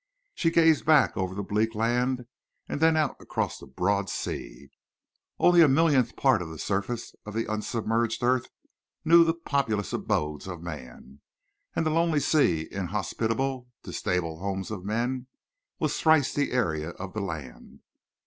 She gazed back over the bleak land and then out across the broad sea. Only a millionth part of the surface of the unsubmerged earth knew the populous abodes of man. And the lonely sea, inhospitable to stable homes of men, was thrice the area of the land.